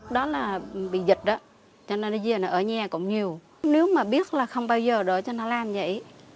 đó là bị dịch đó cho nên ở nhà cũng nhiều nếu mà biết là không bao giờ đỡ cho nó làm vậy